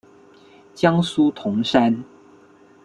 江苏铜山。